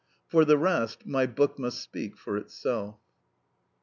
For the rest, my book must speak for itself.